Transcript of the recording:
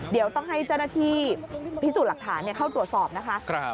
เดี๋ยวต้องให้เจ้าหน้าที่พิสูจน์หลักฐานเข้าตรวจสอบนะคะ